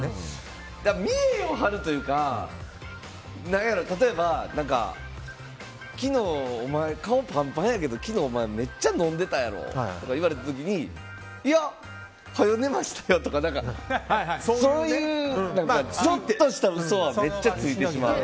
見栄を張るというか、例えばお前、顔ぱんぱんやけどめっちゃ飲んでたやろ言われた時にいや、はよ寝ましたよとかそういうちょっとした嘘はめっちゃついてしまう。